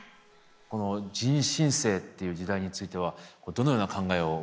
この人新世っていう時代についてはどのような考えをお持ちですか？